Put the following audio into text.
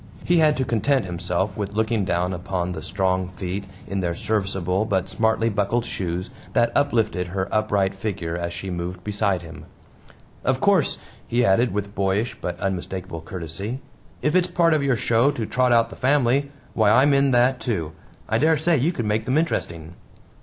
He had to content himself with looking down upon the strong feet in their serviceable but smartly buckled shoes that uplifted her upright figure as she moved beside him. "Of course," he added with boyish but unmistakable courtesy, "if it's part of your show to trot out the family, why I'm in that, too. I dare say you could make them interesting."